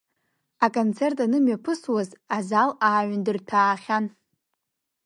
Аконцерт анымҩаԥысуаз, азал ааҩндырҭәаахьан…